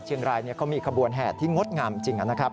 รายเขามีขบวนแห่ที่งดงามจริงนะครับ